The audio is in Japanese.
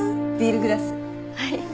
はい。